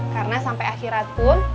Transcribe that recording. karena sampai akhirat pun